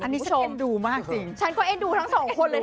อันนี้ชมดูมากจริงฉันก็เอ็นดูทั้งสองคนเลย